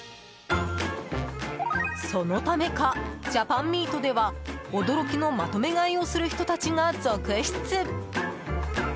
そのためか、ジャパンミートでは驚きのまとめ買いをする人たちが続出。